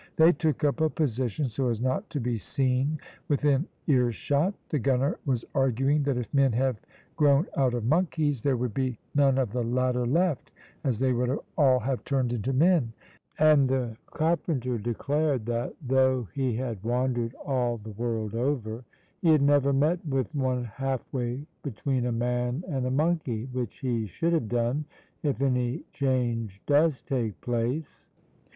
They took up a position, so as not to be seen within earshot. The gunner was arguing that if men have grown out of monkeys, there would be none of the latter left, as they would all have turned into men; and the carpenter declared that though he had wandered all the world over, he had never met with one half way between a man and a monkey, which he should have done if any change does take place.